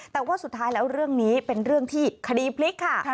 แต่ว่าสุดท้ายแล้วเรื่องนี้เป็นเรื่องที่คดีพลิกค่ะ